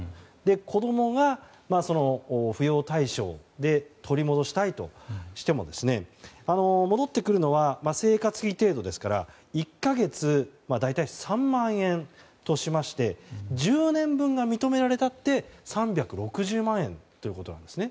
子供が扶養対象で取り戻したいとしても戻ってくるのは生活費程度１か月大体３万円としまして１０年分が認められたって３６０万円ということなんですね。